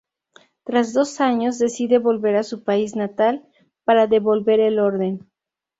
Tras dos años decide volver a su país natal para devolver el orden.